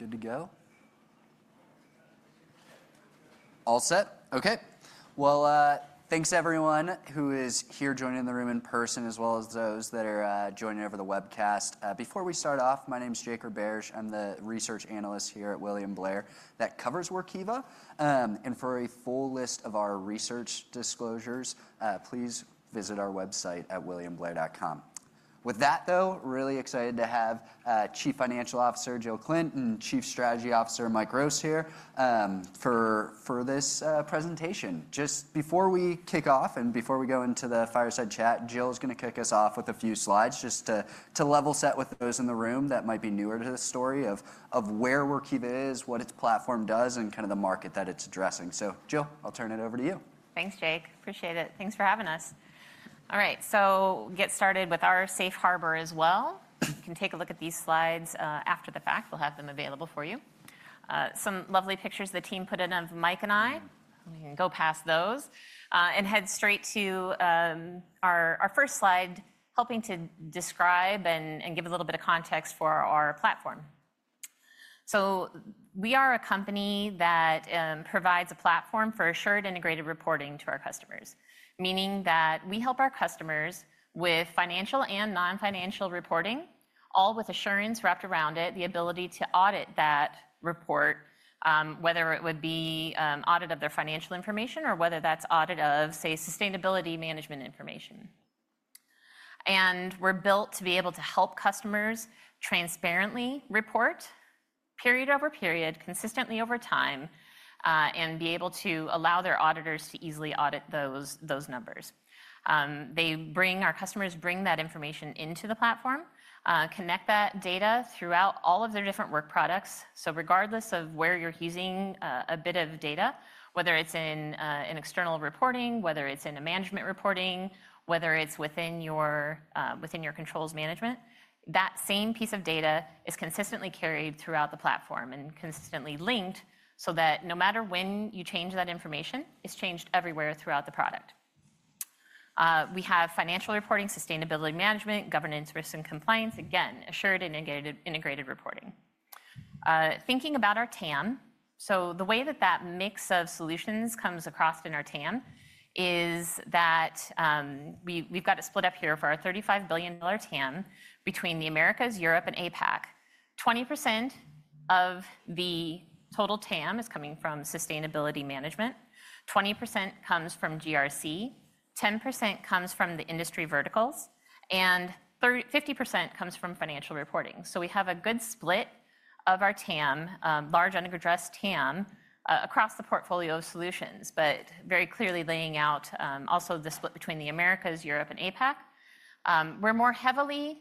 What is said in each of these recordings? We are good to go? All set? Okay. Thanks, everyone who is here joining the room in person, as well as those that are joining over the webcast. Before we start off, my name is Jacob Barrish. I'm the research analyst here at William Blair that covers Workiva. For a full list of our research disclosures, please visit our website at williamblair.com. With that, though, really excited to have Chief Financial Officer Jill Klindt and Chief Strategy Officer Mike Rost here for this presentation. Just before we kick off and before we go into the fireside chat, Jill is going to kick us off with a few slides just to level set with those in the room that might be newer to the story of where Workiva is, what its platform does, and kind of the market that it's addressing. Jill, I'll turn it over to you. Thanks, Jake. Appreciate it. Thanks for having us. All right, we will get started with our safe harbor as well. You can take a look at these slides after the fact. We will have them available for you. Some lovely pictures the team put in of Mike and I. We can go past those and head straight to our first slide, helping to describe and give a little bit of context for our platform. We are a company that provides a platform for assured integrated reporting to our customers, meaning that we help our customers with financial and non-financial reporting, all with assurance wrapped around it, the ability to audit that report, whether it would be audit of their financial information or whether that is audit of, say, sustainability management information. We're built to be able to help customers transparently report period over period, consistently over time, and be able to allow their auditors to easily audit those numbers. Our customers bring that information into the platform, connect that data throughout all of their different work products. Regardless of where you're using a bit of data, whether it's in external reporting, whether it's in management reporting, whether it's within your controls management, that same piece of data is consistently carried throughout the platform and consistently linked so that no matter when you change that information, it's changed everywhere throughout the product. We have financial reporting, sustainability management, governance, risk, and compliance, again, assured and integrated reporting. Thinking about our TAM, the way that that mix of solutions comes across in our TAM is that we've got it split up here for our $35 billion TAM between the Americas, Europe, and APAC. 20% of the total TAM is coming from sustainability management, 20% comes from GRC, 10% comes from the industry verticals, and 50% comes from financial reporting. We have a good split of our TAM, large under-addressed TAM, across the portfolio of solutions, but very clearly laying out also the split between the Americas, Europe, and APAC. We're more heavily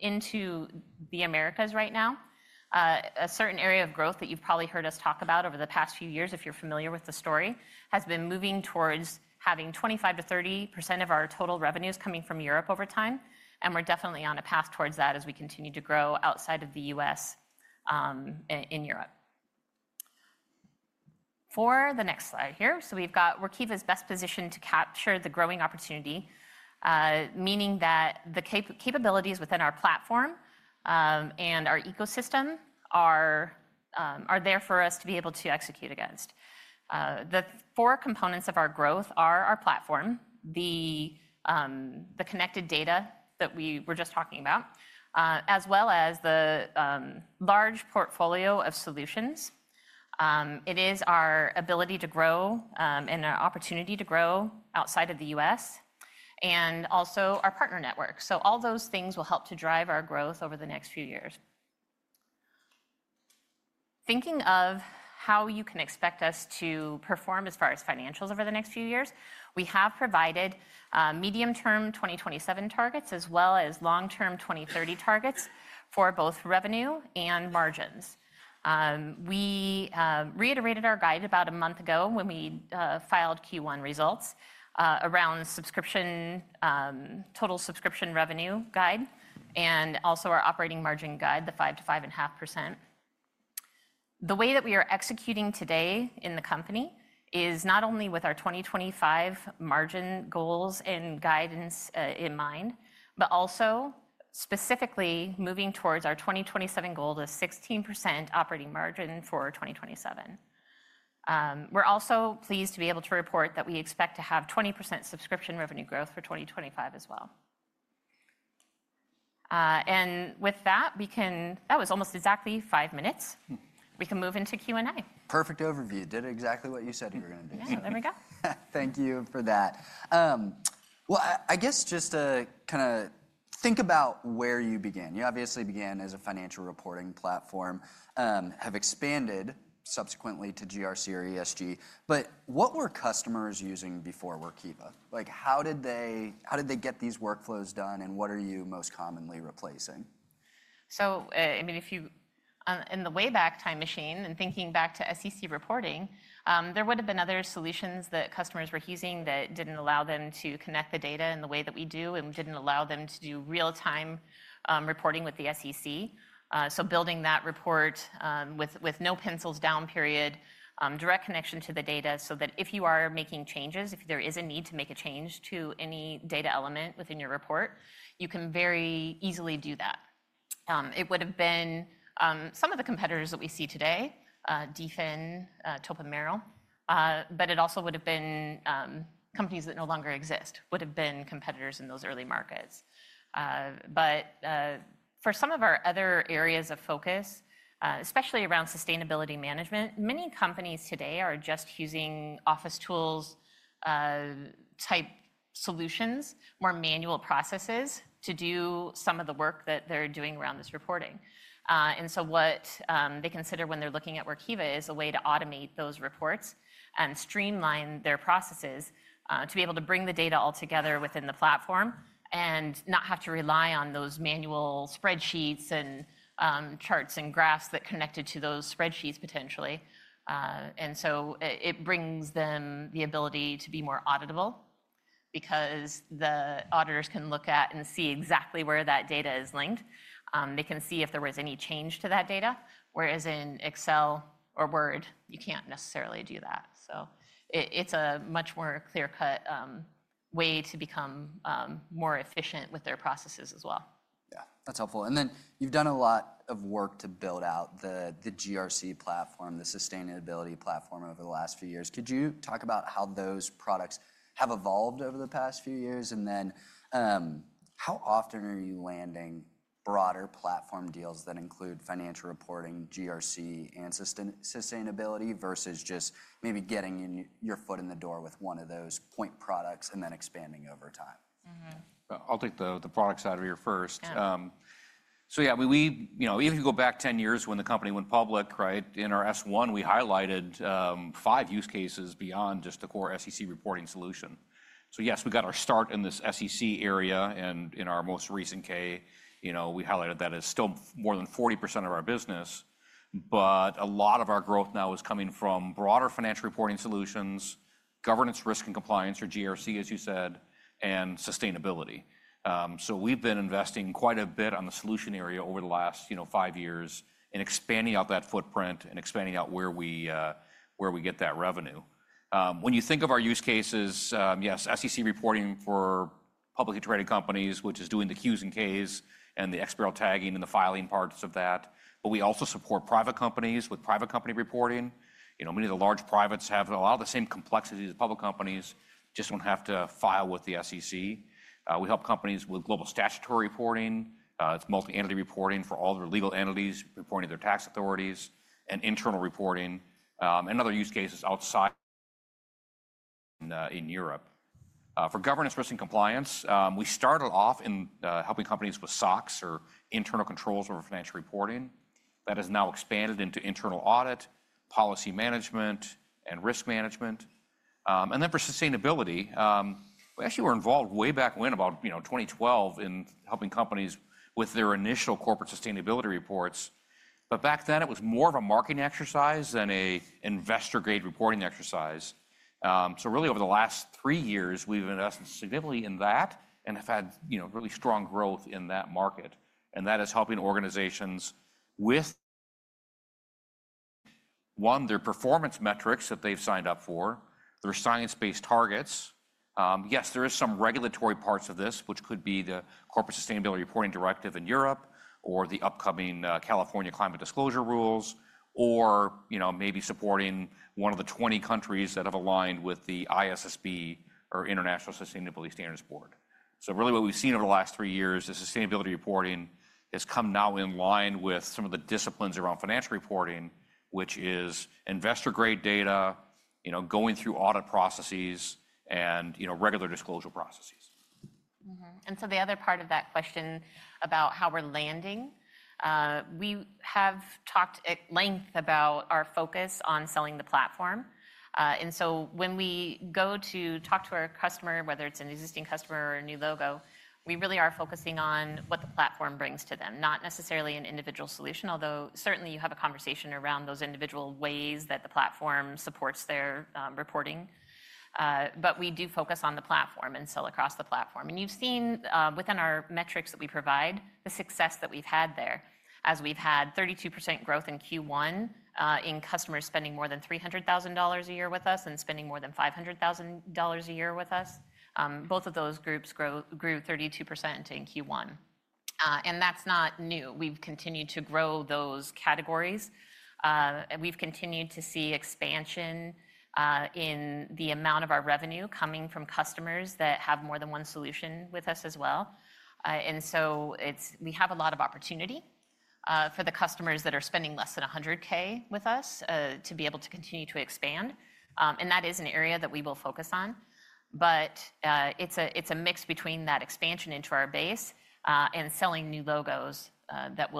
into the Americas right now. A certain area of growth that you've probably heard us talk about over the past few years, if you're familiar with the story, has been moving towards having 25%-30% of our total revenues coming from Europe over time. We are definitely on a path towards that as we continue to grow outside of the U.S. in Europe. For the next slide here, we have Workiva's best position to capture the growing opportunity, meaning that the capabilities within our platform and our ecosystem are there for us to be able to execute against. The four components of our growth are our platform, the connected data that we were just talking about, as well as the large portfolio of solutions. It is our ability to grow and our opportunity to grow outside of the U.S., and also our partner network. All those things will help to drive our growth over the next few years. Thinking of how you can expect us to perform as far as financials over the next few years, we have provided medium-term 2027 targets as well as long-term 2030 targets for both revenue and margins. We reiterated our guide about a month ago when we filed Q1 results around total subscription revenue guide and also our operating margin guide, the 5%-5.5%. The way that we are executing today in the company is not only with our 2025 margin goals and guidance in mind, but also specifically moving towards our 2027 goal of 16% operating margin for 2027. We are also pleased to be able to report that we expect to have 20% subscription revenue growth for 2025 as well. With that, we can—that was almost exactly five minutes. We can move into Q&A. Perfect overview. Did exactly what you said you were going to do. Yeah, there we go. Thank you for that. I guess just to kind of think about where you began. You obviously began as a financial reporting platform, have expanded subsequently to GRC or ESG. What were customers using before Workiva? How did they get these workflows done, and what are you most commonly replacing? I mean, if you, in the way back time machine and thinking back to SEC reporting, there would have been other solutions that customers were using that did not allow them to connect the data in the way that we do and did not allow them to do real-time reporting with the SEC. Building that report with no pencils down period, direct connection to the data so that if you are making changes, if there is a need to make a change to any data element within your report, you can very easily do that. It would have been some of the competitors that we see today, Defin, Topo Merrill, but it also would have been companies that no longer exist would have been competitors in those early markets. For some of our other areas of focus, especially around sustainability management, many companies today are just using office tools type solutions, more manual processes to do some of the work that they're doing around this reporting. What they consider when they're looking at Workiva is a way to automate those reports and streamline their processes to be able to bring the data all together within the platform and not have to rely on those manual spreadsheets and charts and graphs that connected to those spreadsheets potentially. It brings them the ability to be more auditable because the auditors can look at and see exactly where that data is linked. They can see if there was any change to that data, whereas in Excel or Word, you can't necessarily do that. It's a much more clear-cut way to become more efficient with their processes as well. Yeah, that's helpful. You have done a lot of work to build out the GRC platform, the sustainability platform over the last few years. Could you talk about how those products have evolved over the past few years? How often are you landing broader platform deals that include financial reporting, GRC, and sustainability versus just maybe getting your foot in the door with one of those point products and then expanding over time? I'll take the product side of here first. Yeah, if you go back 10 years when the company went public, right, in our S1, we highlighted five use cases beyond just the core SEC reporting solution. Yes, we got our start in this SEC area. In our most recent K, we highlighted that as still more than 40% of our business, but a lot of our growth now is coming from broader financial reporting solutions, governance, risk, and compliance, or GRC, as you said, and sustainability. We have been investing quite a bit on the solution area over the last five years and expanding out that footprint and expanding out where we get that revenue. When you think of our use cases, yes, SEC reporting for publicly traded companies, which is doing the Qs and Ks and the XBRL tagging and the filing parts of that. We also support private companies with private company reporting. Many of the large privates have a lot of the same complexities as public companies, just do not have to file with the SEC. We help companies with global statutory reporting. It is multi-entity reporting for all their legal entities, reporting to their tax authorities, and internal reporting, and other use cases outside in Europe. For governance, risk, and compliance, we started off in helping companies with SOC or internal controls over financial reporting. That has now expanded into internal audit, policy management, and risk management. For sustainability, we actually were involved way back when, about 2012, in helping companies with their initial corporate sustainability reports. Back then, it was more of a marketing exercise than an investor-grade reporting exercise. Really, over the last three years, we've invested significantly in that and have had really strong growth in that market. That is helping organizations with, one, their performance metrics that they've signed up for, their science-based targets. Yes, there are some regulatory parts of this, which could be the Corporate Sustainability Reporting Directive in Europe or the upcoming California Climate Disclosure Rules or maybe supporting one of the 20 countries that have aligned with the ISSB or International Sustainability Standards Board. Really, what we've seen over the last three years, the sustainability reporting has come now in line with some of the disciplines around financial reporting, which is investor-grade data, going through audit processes, and regular disclosure processes. The other part of that question about how we're landing, we have talked at length about our focus on selling the platform. When we go to talk to our customer, whether it's an existing customer or a new logo, we really are focusing on what the platform brings to them, not necessarily an individual solution, although certainly you have a conversation around those individual ways that the platform supports their reporting. We do focus on the platform and sell across the platform. You've seen within our metrics that we provide the success that we've had there as we've had 32% growth in Q1 in customers spending more than $300,000 a year with us and spending more than $500,000 a year with us. Both of those groups grew 32% in Q1. That's not new. We've continued to grow those categories. have continued to see expansion in the amount of our revenue coming from customers that have more than one solution with us as well. We have a lot of opportunity for the customers that are spending less than $100,000 with us to be able to continue to expand. That is an area that we will focus on. It is a mix between that expansion into our base and selling new logos that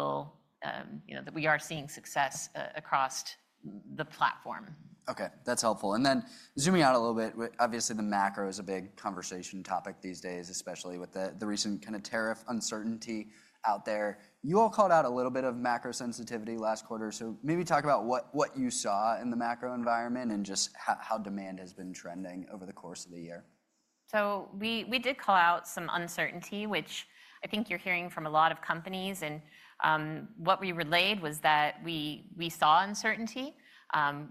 we are seeing success across the platform. Okay, that's helpful. Then zooming out a little bit, obviously the macro is a big conversation topic these days, especially with the recent kind of tariff uncertainty out there. You all called out a little bit of macro sensitivity last quarter. Maybe talk about what you saw in the macro environment and just how demand has been trending over the course of the year. We did call out some uncertainty, which I think you're hearing from a lot of companies. What we relayed was that we saw uncertainty.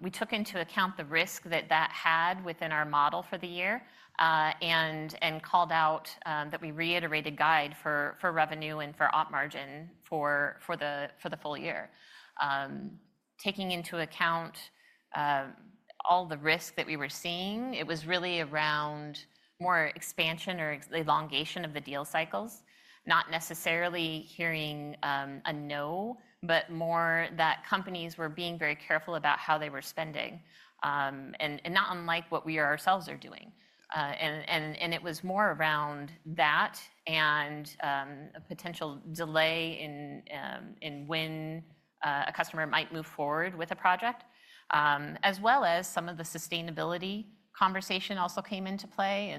We took into account the risk that that had within our model for the year and called out that we reiterated guide for revenue and for op margin for the full year. Taking into account all the risk that we were seeing, it was really around more expansion or elongation of the deal cycles, not necessarily hearing a no, but more that companies were being very careful about how they were spending and not unlike what we ourselves are doing. It was more around that and a potential delay in when a customer might move forward with a project, as well as some of the sustainability conversation also came into play.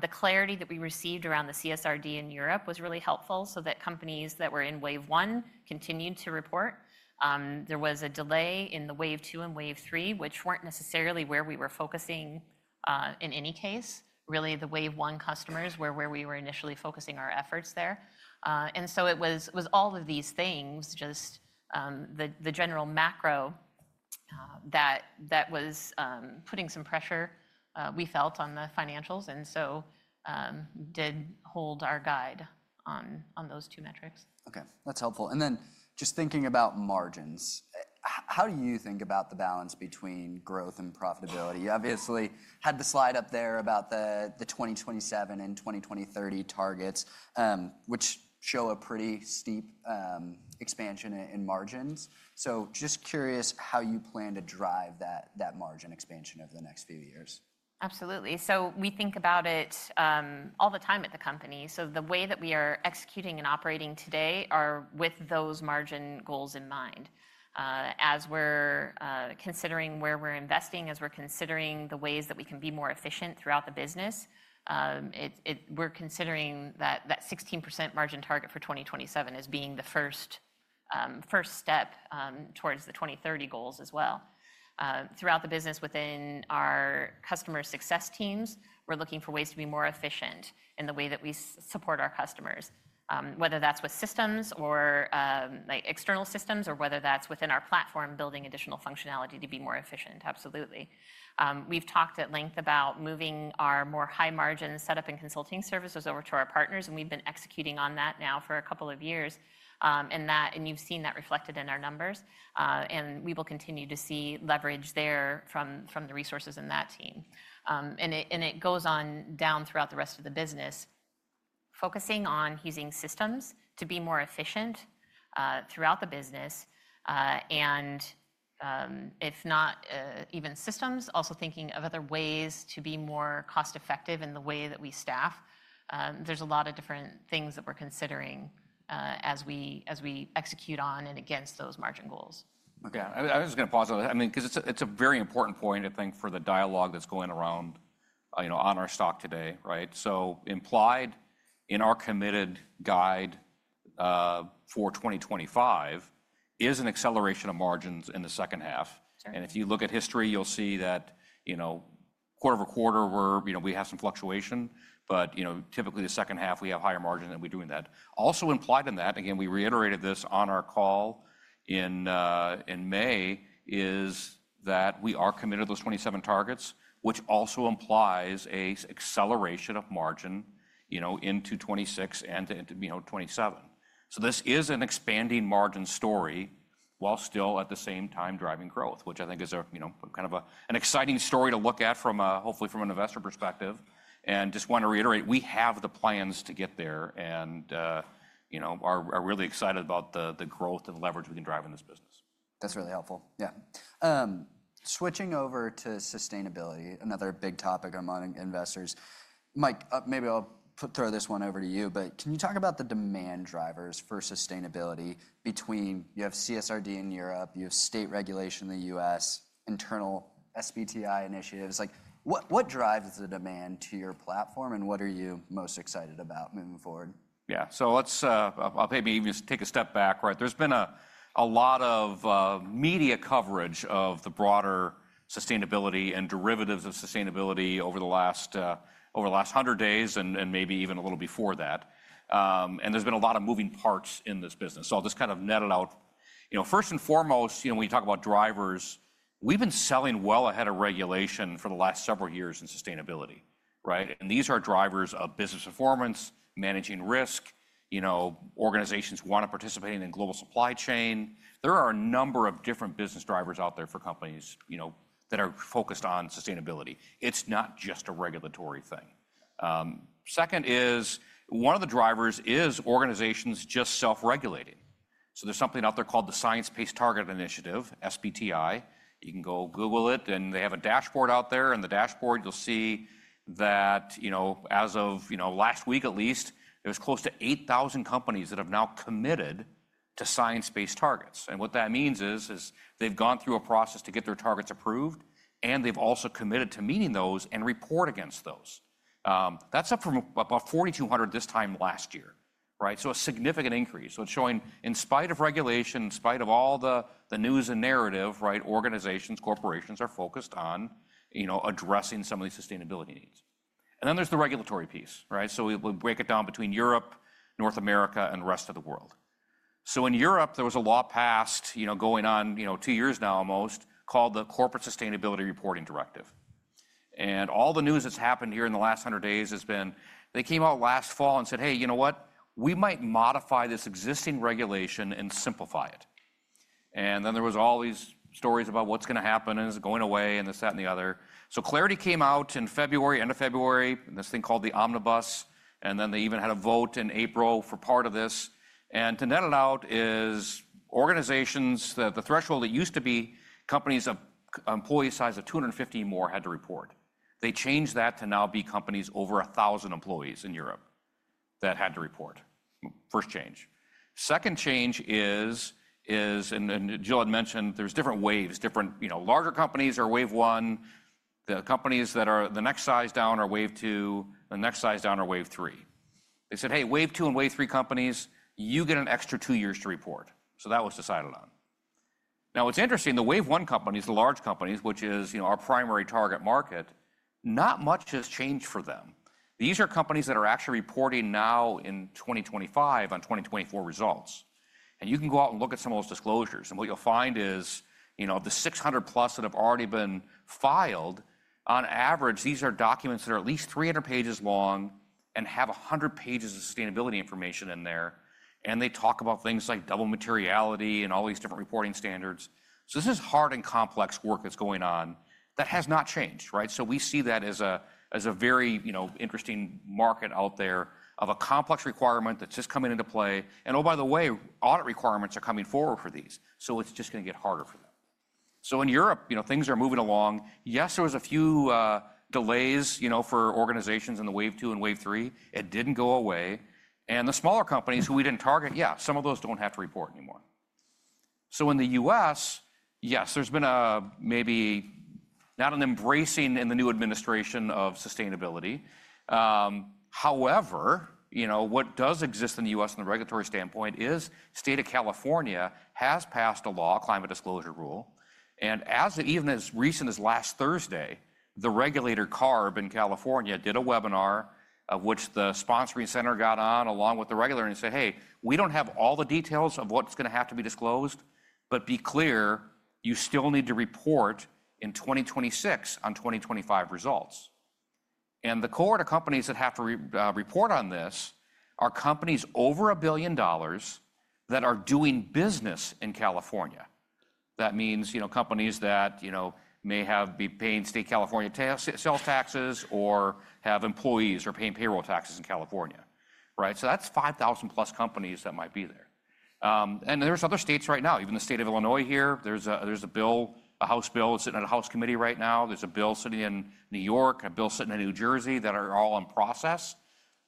The clarity that we received around the CSRD in Europe was really helpful so that companies that were in wave one continued to report. There was a delay in the wave two and wave three, which were not necessarily where we were focusing in any case. Really, the wave one customers were where we were initially focusing our efforts there. It was all of these things, just the general macro, that was putting some pressure, we felt, on the financials and so did hold our guide on those two metrics. Okay, that's helpful. Then just thinking about margins, how do you think about the balance between growth and profitability? You obviously had the slide up there about the 2027 and 2030 targets, which show a pretty steep expansion in margins. Just curious how you plan to drive that margin expansion over the next few years. Absolutely. We think about it all the time at the company. The way that we are executing and operating today are with those margin goals in mind. As we are considering where we are investing, as we are considering the ways that we can be more efficient throughout the business, we are considering that 16% margin target for 2027 as being the first step towards the 2030 goals as well. Throughout the business, within our customer success teams, we are looking for ways to be more efficient in the way that we support our customers, whether that is with systems or external systems or whether that is within our platform building additional functionality to be more efficient. Absolutely. We have talked at length about moving our more high margin setup and consulting services over to our partners, and we have been executing on that now for a couple of years. You have seen that reflected in our numbers, and we will continue to see leverage there from the resources in that team. It goes on down throughout the rest of the business, focusing on using systems to be more efficient throughout the business. If not even systems, also thinking of other ways to be more cost-effective in the way that we staff. There are a lot of different things that we are considering as we execute on and against those margin goals. Okay, I was just going to pause on that. I mean, because it's a very important point, I think, for the dialogue that's going around on our stock today, right? Implied in our committed guide for 2025 is an acceleration of margins in the second half. If you look at history, you'll see that quarter over quarter we have some fluctuation, but typically the second half we have higher margin than we're doing that. Also implied in that, again, we reiterated this on our call in May, is that we are committed to those 27 targets, which also implies an acceleration of margin into 2026 and into 2027. This is an expanding margin story while still at the same time driving growth, which I think is kind of an exciting story to look at hopefully from an investor perspective. I just want to reiterate, we have the plans to get there and are really excited about the growth and leverage we can drive in this business. That's really helpful. Yeah. Switching over to sustainability, another big topic among investors. Mike, maybe I'll throw this one over to you, but can you talk about the demand drivers for sustainability between you have CSRD in Europe, you have state regulation in the U.S., internal SBTi initiatives? What drives the demand to your platform and what are you most excited about moving forward? Yeah, so I'll maybe even just take a step back, right? There's been a lot of media coverage of the broader sustainability and derivatives of sustainability over the last 100 days and maybe even a little before that. There's been a lot of moving parts in this business. I'll just kind of net it out. First and foremost, when we talk about drivers, we've been selling well ahead of regulation for the last several years in sustainability, right? These are drivers of business performance, managing risk, organizations want to participate in global supply chain. There are a number of different business drivers out there for companies that are focused on sustainability. It's not just a regulatory thing. Second is one of the drivers is organizations just self-regulating. There's something out there called the Science Based Targets initiative, SBTi. You can go Google it and they have a dashboard out there. In the dashboard, you'll see that as of last week at least, there's close to 8,000 companies that have now committed to science-based targets. And what that means is they've gone through a process to get their targets approved and they've also committed to meeting those and report against those. That's up from about 4,200 this time last year, right? So a significant increase. It's showing in spite of regulation, in spite of all the news and narrative, organizations, corporations are focused on addressing some of these sustainability needs. Then there's the regulatory piece, right? We break it down between Europe, North America, and the rest of the world. In Europe, there was a law passed going on two years now almost called the Corporate Sustainability Reporting Directive. All the news that's happened here in the last 100 days has been they came out last fall and said, "Hey, you know what? We might modify this existing regulation and simplify it." Then there were all these stories about what's going to happen and it's going away and this, that, and the other. Clarity came out in February, end of February, this thing called the Omnibus. They even had a vote in April for part of this. To net it out is organizations, the threshold that used to be companies of employee size of 250 and more had to report. They changed that to now be companies over 1,000 employees in Europe that had to report. First change. Second change is, and Jill had mentioned, there's different waves. Larger companies are wave one. The companies that are the next size down are wave two. The next size down are wave three. They said, "Hey, wave two and wave three companies, you get an extra two years to report." That was decided on. Now, what's interesting, the wave one companies, the large companies, which is our primary target market, not much has changed for them. These are companies that are actually reporting now in 2025 on 2024 results. You can go out and look at some of those disclosures. What you'll find is the 600 plus that have already been filed, on average, these are documents that are at least 300 pages long and have 100 pages of sustainability information in there. They talk about things like double materiality and all these different reporting standards. This is hard and complex work that's going on that has not changed, right? We see that as a very interesting market out there of a complex requirement that's just coming into play. Oh, by the way, audit requirements are coming forward for these. It's just going to get harder for them. In Europe, things are moving along. Yes, there were a few delays for organizations in the wave two and wave three. It did not go away. The smaller companies who we did not target, yeah, some of those do not have to report anymore. In the U.S., yes, there's been maybe not an embracing in the new administration of sustainability. However, what does exist in the U.S. from the regulatory standpoint is the state of California has passed a law, climate disclosure rule. Even as recent as last Thursday, the regulator CARB in California did a webinar of which the sponsoring center got on along with the regulator and said, "Hey, we do not have all the details of what is going to have to be disclosed, but be clear, you still need to report in 2026 on 2025 results." The core companies that have to report on this are companies over $1 billion that are doing business in California. That means companies that may have been paying state California sales taxes or have employees or paying payroll taxes in California, right? That is 5,000 plus companies that might be there. There are other states right now, even the state of Illinois here. There is a bill, a House bill sitting at a House committee right now. There's a bill sitting in New York, a bill sitting in New Jersey that are all in process.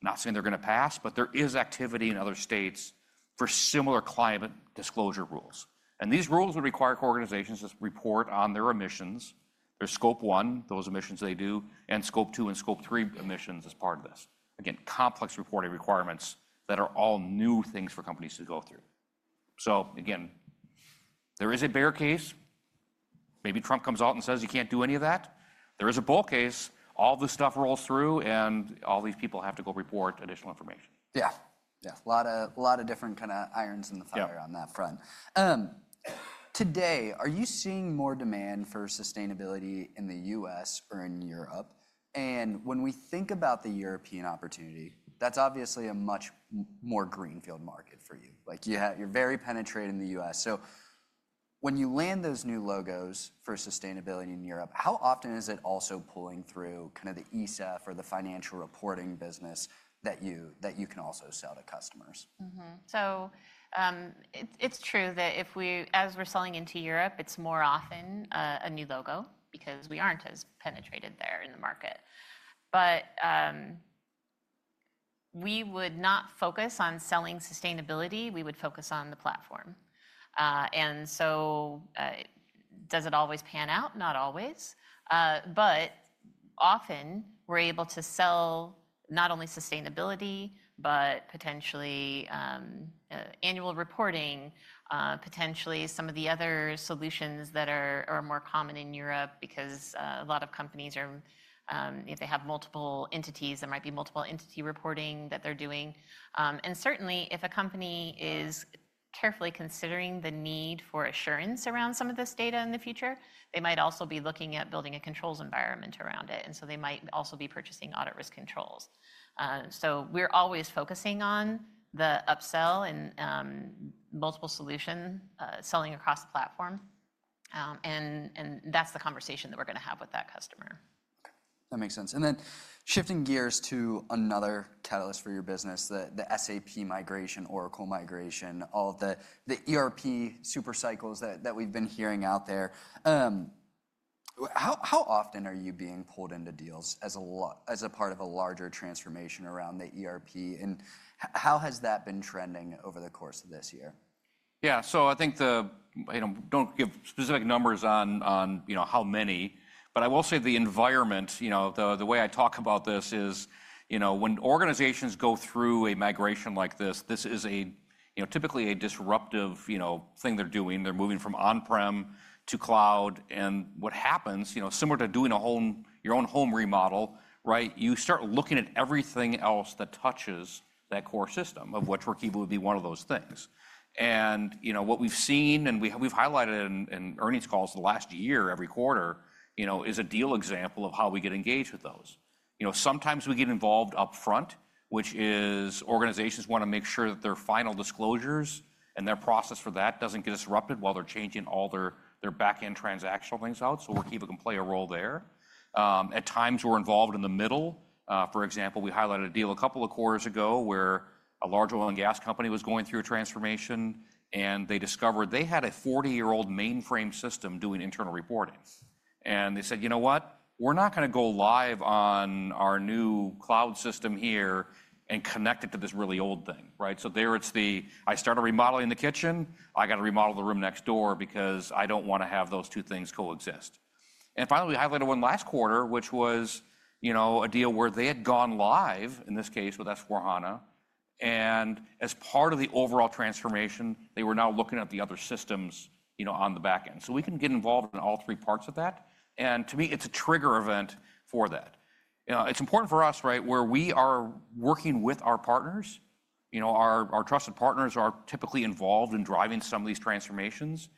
Not saying they're going to pass, but there is activity in other states for similar climate disclosure rules. These rules would require organizations to report on their emissions, their scope 1, those emissions they do, and scope 2 and scope 3 emissions as part of this. Again, complex reporting requirements that are all new things for companies to go through. There is a bear case. Maybe Trump comes out and says he can't do any of that. There is a bull case. All this stuff rolls through and all these people have to go report additional information. Yeah, yeah. A lot of different kind of irons in the fire on that front. Today, are you seeing more demand for sustainability in the U.S. or in Europe? And when we think about the European opportunity, that's obviously a much more greenfield market for you. You're very penetrated in the U.S. So when you land those new logos for sustainability in Europe, how often is it also pulling through kind of the ESEF or the financial reporting business that you can also sell to customers? It is true that if we, as we're selling into Europe, it is more often a new logo because we are not as penetrated there in the market. We would not focus on selling sustainability. We would focus on the platform. Does it always pan out? Not always. Often we are able to sell not only sustainability, but potentially annual reporting, potentially some of the other solutions that are more common in Europe because a lot of companies, if they have multiple entities, there might be multiple entity reporting that they are doing. Certainly if a company is carefully considering the need for assurance around some of this data in the future, they might also be looking at building a controls environment around it. They might also be purchasing audit risk controls. We are always focusing on the upsell and multiple solution selling across the platform. That is the conversation that we're going to have with that customer. That makes sense. Then shifting gears to another catalyst for your business, the SAP migration, Oracle migration, all the ERP super cycles that we've been hearing out there. How often are you being pulled into deals as a part of a larger transformation around the ERP? How has that been trending over the course of this year? Yeah, so I think the, don't give specific numbers on how many, but I will say the environment, the way I talk about this is when organizations go through a migration like this, this is typically a disruptive thing they're doing. They're moving from on-prem to cloud. What happens, similar to doing your own home remodel, right? You start looking at everything else that touches that core system of which Workiva would be one of those things. What we've seen and we've highlighted in earnings calls the last year every quarter is a deal example of how we get engaged with those. Sometimes we get involved upfront, which is organizations want to make sure that their final disclosures and their process for that doesn't get disrupted while they're changing all their backend transactional things out. Workiva can play a role there. At times we're involved in the middle. For example, we highlighted a deal a couple of quarters ago where a large oil and gas company was going through a transformation and they discovered they had a 40-year-old mainframe system doing internal reporting. They said, "You know what? We're not going to go live on our new cloud system here and connect it to this really old thing," right? There it is the, "I started remodeling the kitchen. I got to remodel the room next door because I do not want to have those two things coexist." Finally, we highlighted one last quarter, which was a deal where they had gone live, in this case with S/4HANA. As part of the overall transformation, they were now looking at the other systems on the backend. We can get involved in all three parts of that. To me, it's a trigger event for that. It's important for us, right? Where we are working with our partners, our trusted partners are typically involved in driving some of these transformations.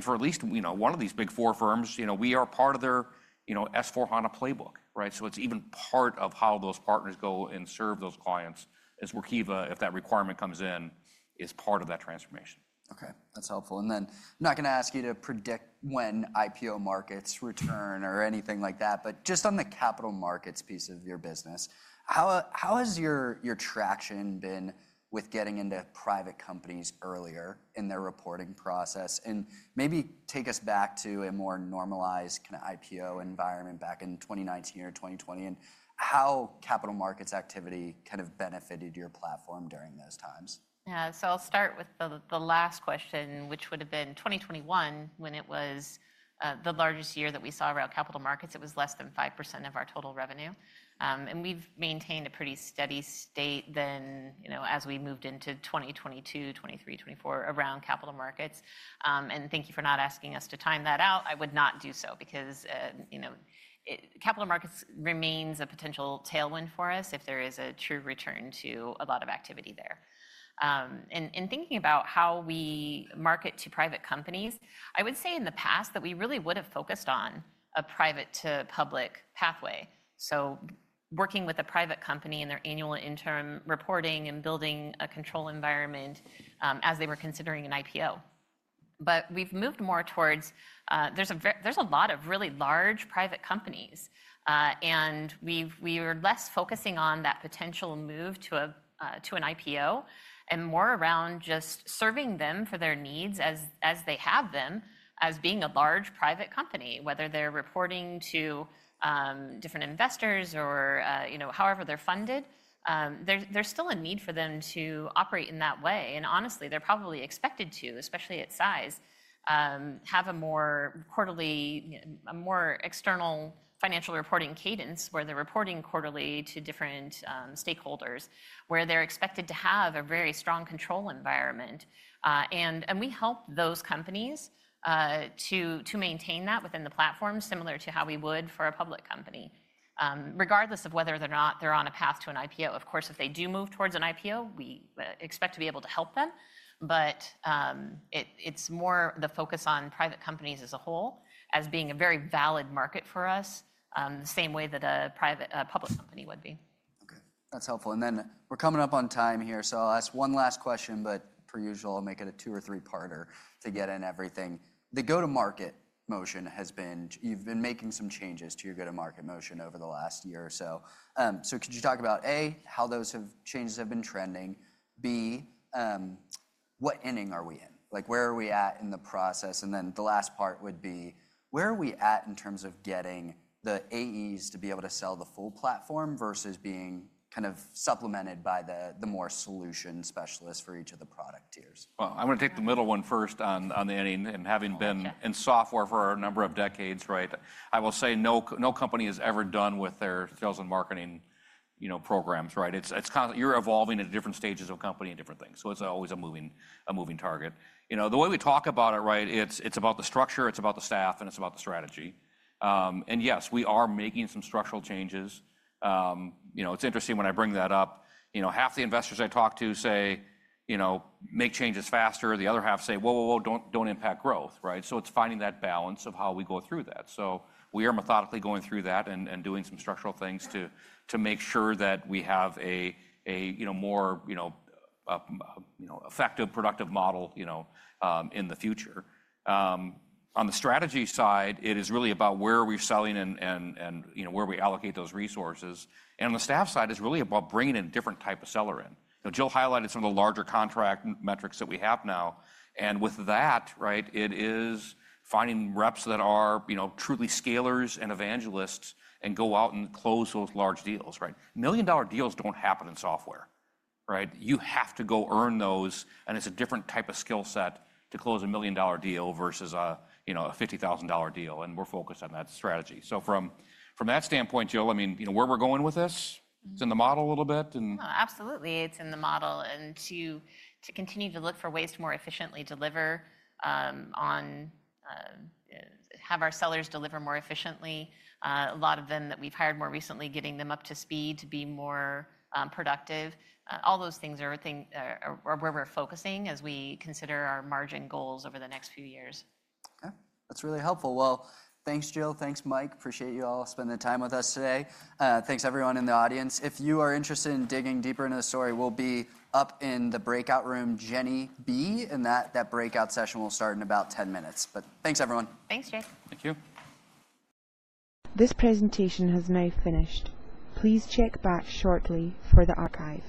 For at least one of these big four firms, we are part of their S/4HANA playbook, right? It is even part of how those partners go and serve those clients as Workiva, if that requirement comes in, is part of that transformation. Okay. That's helpful. I'm not going to ask you to predict when IPO markets return or anything like that, but just on the capital markets piece of your business, how has your traction been with getting into private companies earlier in their reporting process? Maybe take us back to a more normalized kind of IPO environment back in 2019 or 2020 and how capital markets activity kind of benefited your platform during those times. Yeah. I'll start with the last question, which would have been 2021 when it was the largest year that we saw around capital markets. It was less than 5% of our total revenue. We've maintained a pretty steady state then as we moved into 2022, 2023, 2024 around capital markets. Thank you for not asking us to time that out. I would not do so because capital markets remains a potential tailwind for us if there is a true return to a lot of activity there. Thinking about how we market to private companies, I would say in the past that we really would have focused on a private-to-public pathway. Working with a private company and their annual interim reporting and building a control environment as they were considering an IPO. We've moved more towards there's a lot of really large private companies. We were less focusing on that potential move to an IPO and more around just serving them for their needs as they have them as being a large private company, whether they're reporting to different investors or however they're funded. There's still a need for them to operate in that way. Honestly, they're probably expected to, especially at size, have a more quarterly, a more external financial reporting cadence where they're reporting quarterly to different stakeholders where they're expected to have a very strong control environment. We help those companies to maintain that within the platform similar to how we would for a public company, regardless of whether or not they're on a path to an IPO. Of course, if they do move towards an IPO, we expect to be able to help them. It is more the focus on private companies as a whole as being a very valid market for us, the same way that a public company would be. Okay. That's helpful. We're coming up on time here. I'll ask one last question, but per usual, I'll make it a two or three-parter to get in everything. The go-to-market motion has been, you've been making some changes to your go-to-market motion over the last year or so. Could you talk about, A, how those changes have been trending? B, what ending are we in? Where are we at in the process? The last part would be, where are we at in terms of getting the AEs to be able to sell the full platform versus being kind of supplemented by the more solution specialists for each of the product tiers? I'm going to take the middle one first on the ending. Having been in software for a number of decades, right? I will say no company is ever done with their sales and marketing programs, right? You're evolving at different stages of company and different things. It's always a moving target. The way we talk about it, right? It's about the structure, it's about the staff, and it's about the strategy. Yes, we are making some structural changes. It's interesting when I bring that up. Half the investors I talk to say, "Make changes faster." The other half say, "Whoa, whoa, whoa, do not impact growth," right? It's finding that balance of how we go through that. We are methodically going through that and doing some structural things to make sure that we have a more effective, productive model in the future. On the strategy side, it is really about where we're selling and where we allocate those resources. On the staff side, it's really about bringing in a different type of seller in. Jill highlighted some of the larger contract metrics that we have now. With that, right, it is finding reps that are truly scalers and evangelists and go out and close those large deals, right? Million-dollar deals don't happen in software, right? You have to go earn those. It's a different type of skill set to close a million-dollar deal versus a $50,000 deal. We're focused on that strategy. From that standpoint, Jill, I mean, where we're going with this, it's in the model a little bit and. Absolutely. It's in the model and to continue to look for ways to more efficiently deliver on, have our sellers deliver more efficiently. A lot of them that we've hired more recently, getting them up to speed to be more productive. All those things are where we're focusing as we consider our margin goals over the next few years. Okay. That's really helpful. Thanks, Jill. Thanks, Mike. Appreciate you all spending the time with us today. Thanks, everyone in the audience. If you are interested in digging deeper into the story, we'll be up in the breakout room, Jenny B, and that breakout session will start in about 10 minutes. Thanks, everyone. Thanks, Jay. Thank you. This presentation has now finished. Please check back shortly for the archives.